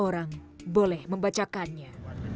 barang barang boleh membacakannya